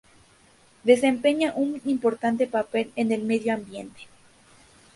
Desempeña un importante papel en el medioambiente.